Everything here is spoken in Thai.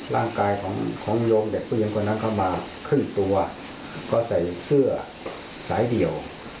ร่างกายของของโยมเด็กผู้หญิงคนนั้นเข้ามาครึ่งตัวก็ใส่เสื้อสายเดี่ยว